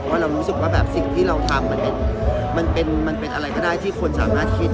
เรารู้สึกว่าแบบสิ่งที่เราทำมันเป็นอะไรก็ได้ที่คนสามารถคิด